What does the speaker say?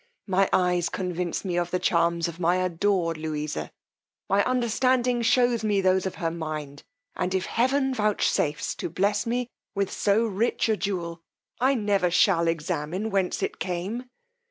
My eyes convince me of the charms of my adored Louisa; my understanding shews me those of her mind; and if heaven vouchsafes to bless me with so rich a jewel, I never shall examine whence it came.